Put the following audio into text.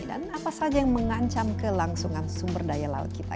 dan apa saja yang mengancam kelangsungan sumber daya laut kita